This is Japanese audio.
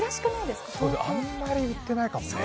あんまり売ってないかもね。